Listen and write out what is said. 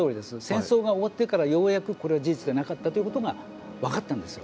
戦争が終わってからようやくこれは事実でなかったということが分かったんですよ。